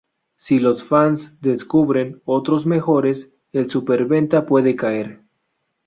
Si los fans descubren otros mejores, el superventa puede caer